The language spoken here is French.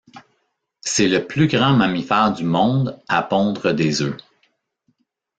C'est le plus grand mammifère du monde à pondre des œufs.